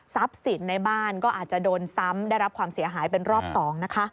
สินในบ้านก็อาจจะโดนซ้ำได้รับความเสียหายเป็นรอบ๒นะคะ